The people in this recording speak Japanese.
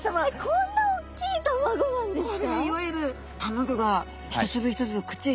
こんな大きい卵なんですか！